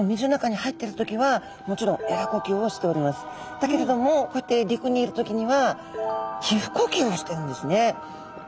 だけれどもこうやって陸にいる時には皮ふ呼吸をしてるんですね。